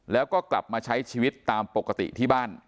แล้วก็กลับมาใช้ชีวิตตามปกติที่บ้าน